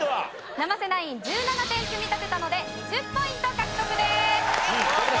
生瀬ナイン１７点積み立てたので２０ポイント獲得です！